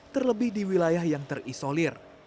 terlebih di wilayah yang terisolir